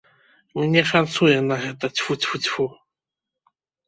Мне шанцуе на гэта, цьфу-цьфу-цьфу.